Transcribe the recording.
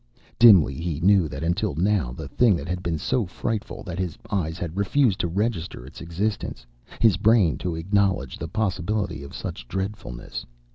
Dimly he knew that until now the thing had been so frightful that his eyes had refused to register its existence, his brain to acknowledge the possibility of such dreadfulness.